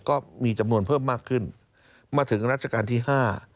ก็มีจำนวนเพิ่มมากขึ้นมาถึงรัชกาลที่ห้า